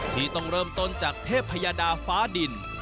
ที่ต้องเริ่มต้นจากเทพยดาฟ้าดิน